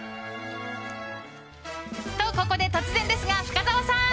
と、ここで突然ですが深澤さん。